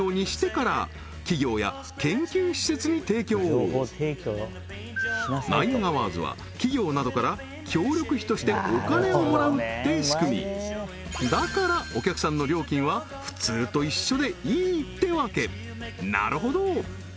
そこには実はこのナインアワーズは企業などから協力費としてお金をもらうって仕組みだからお客さんの料金は普通と一緒でいいってわけなるほど！